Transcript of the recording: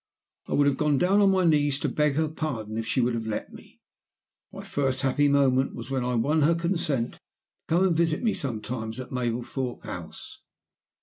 I would have gone down on my knees to beg her pardon if she would have let me. My first happy moment was when I won her consent to come and visit me sometimes at Mablethorpe House.